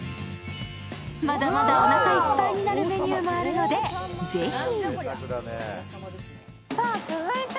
まだまだおなかいっぱいになるメニューもあるので、ぜひ。